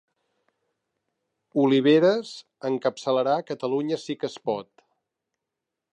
Oliveres encapçalarà Catalunya Sí que es Pot